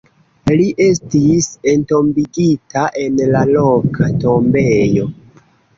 Li estis entombigita en la loka tombejo.